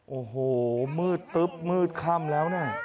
โอ้โหมืดตึ๊บมืดค่ำแล้วเนี่ย